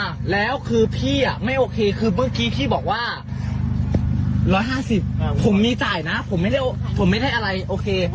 อ่ะแล้วคือพี่อ่ะไม่โอเคคือเมื่อกี้พี่บอกว่า๑๕๐ผมมีจ่ายนะผมไม่ได้ผมไม่ได้อะไรโอเค